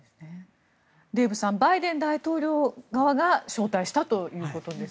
デーブさんバイデン大統領側が招待したということです。